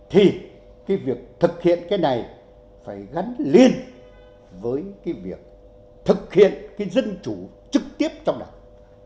thì cái việc thực hiện cái này phải gắn liền với cái việc thực hiện cái dân chủ trực tiếp trong đảng